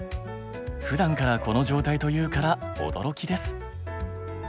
ふだんからこの状態というから驚きです。